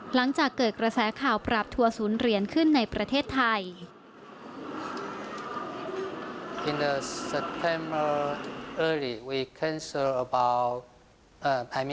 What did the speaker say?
หลังจากเกิดกระแสข่าวปราบทัวร์ศูนย์เหรียญขึ้นในประเทศไทย